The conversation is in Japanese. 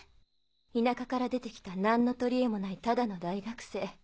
田舎から出て来た何の取り柄もないただの大学生。